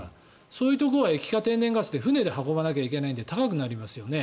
そういうところは液化天然ガスで船で運ばないといけないので高くなりますよね。